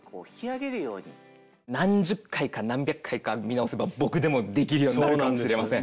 何十回か何百回か見直せば僕でもできるようになるかもしれません。